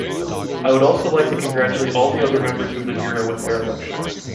I would also like to congratulate all the other members of the Bureau with their election.